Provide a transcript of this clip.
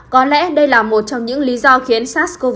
có lẽ đây là một trong những lý do khiến sars cov hai